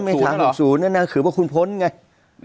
๕เมษา๖๐นั่งนั้นคือพวกคุณพ้นไง